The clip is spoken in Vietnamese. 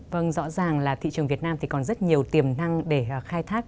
vâng rõ ràng là thị trường việt nam thì còn rất nhiều tiềm năng để khai thác